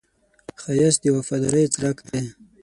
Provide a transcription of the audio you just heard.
ښایست د وفادارۍ څرک دی